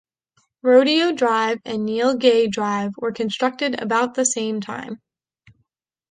Rodeo Drive and Neal Gay Drive were constructed about the same time.